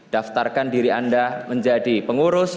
daftarkan diri anda menjadi pengurus